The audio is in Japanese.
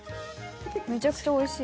めちゃくちゃおいしい。